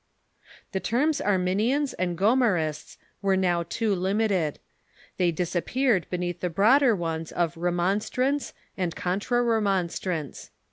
The terms Arminians and Gomarists were now too limited. They disappeared beneath the broader ones of Remonstrants and Contra Remonstrants.